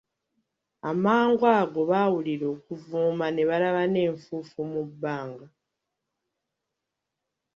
Amangu ago baawulira okuvuuma, ne balaba n'enfuufu mu bbanga.